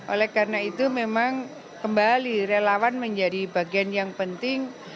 oleh karena itu memang kembali relawan menjadi bagian yang penting